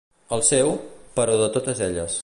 El seu, però de totes elles.